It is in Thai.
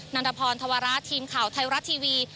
ันทพรธวระทีมข่าวไทยรัฐทีวี